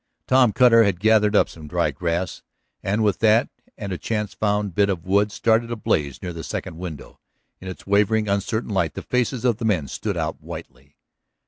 Tom Cutter had gathered up some dry grass, and with that and a chance found bit of wood started a blaze near the second window; in its wavering, uncertain light the faces of the men stood out whitely.